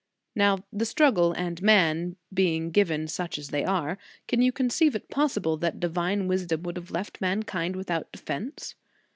Now the struggle and man being given such as they are, can you conceive it pos sible that Divine Wisdom would have left mankind without defence